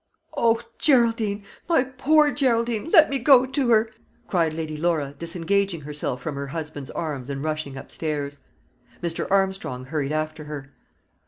"O, Geraldine, my poor Geraldine, let me go to her!" cried Lady Laura, disengaging herself from her husband's arms and rushing upstairs. Mr. Armstrong hurried after her.